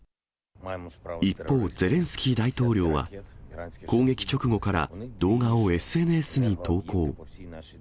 一方、ゼレンスキー大統領は、攻撃直後から、動画をＳＮＳに投稿。